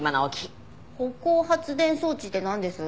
歩行発電装置ってなんです？